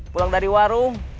pulang dari warung